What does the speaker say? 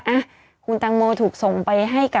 แต่หนูจะเอากับน้องเขามาแต่ว่า